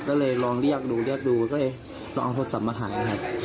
ก็เลยลองเรียกดูก็เลยต้องเอาโทรศัพท์มาถ่ายนะครับ